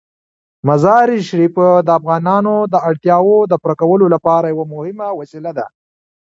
مزارشریف د افغانانو د اړتیاوو د پوره کولو یوه مهمه وسیله ده.